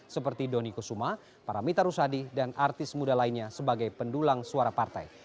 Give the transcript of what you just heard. seperti doni kusuma paramita rusadi dan artis muda lainnya sebagai pendulang suara partai